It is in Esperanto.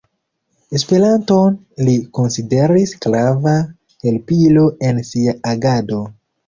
Esperanton li konsideris grava helpilo en sia agado.